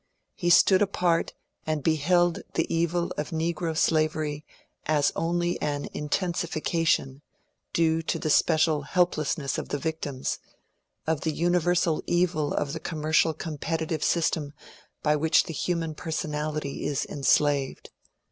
He stood apart and beheld the evil of negro slavery as only an intensification, due to the special helpless^ ness of the victims, of the universal evil of the commercial competitive system by which the human personality is en slaved.